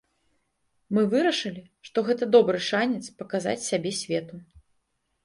Мы вырашылі, што гэта добры шанец паказаць сябе свету.